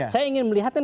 saya ingin melihatkan